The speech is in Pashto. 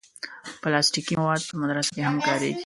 پلاستيکي مواد په مدرسه کې هم کارېږي.